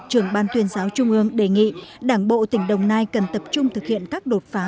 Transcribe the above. trưởng ban tuyên giáo trung ương đề nghị đảng bộ tỉnh đồng nai cần tập trung thực hiện các đột phá